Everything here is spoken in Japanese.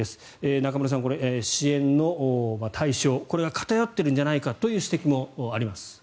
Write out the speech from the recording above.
中室さん、支援の対象、これが偏っているんじゃないかという指摘もあります。